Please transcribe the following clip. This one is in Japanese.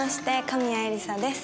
神谷えりさです。